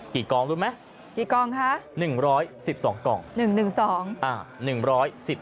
กี่กองรู้ไหมกี่กองครับ